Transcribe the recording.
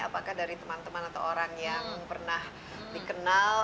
apakah dari teman teman atau orang yang pernah dikenal